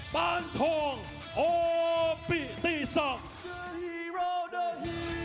ปานทองออกปิติศักดิ์